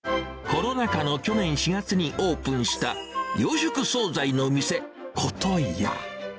コロナ禍の去年４月にオープンした、洋食総菜の店、ことや。